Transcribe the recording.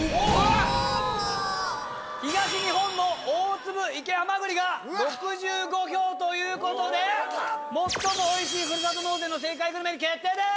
東日本の大粒活はまぐりが６５票ということで最もおいしいふるさと納税の正解グルメが決定です！